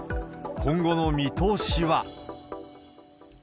今後の見通しは。